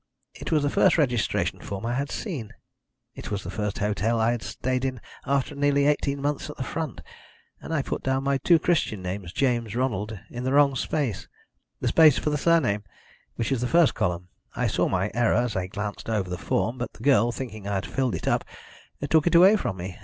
It was the first registration form I had seen it was the first hotel I had stayed at after nearly eighteen months at the front and I put down my two christian names, James Ronald, in the wrong space, the space for the surname, which is the first column. I saw my error as I glanced over the form, but the girl, thinking I had filled it up, took it away from me.